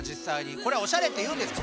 これはおしゃれっていうんですか？